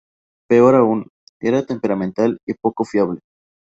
Peor aún, era temperamental y poco fiable.